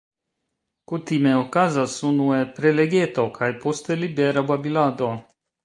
Kutime okazas unue prelegeto kaj poste libera babilado.